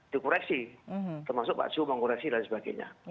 dikoreksi termasuk pak suo mengkoreksi dan sebagainya